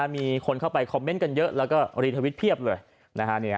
มีคนเข้าไปคอมเมนต์กันเยอะแล้วก็รีทวิตเพียบเลย